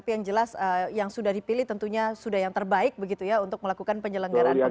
yang jelas yang sudah dipilih tentunya sudah yang terbaik begitu ya untuk melakukan penyelenggaraan pemilu